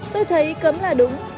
tôi thấy cấm là đúng